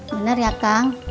bener ya akang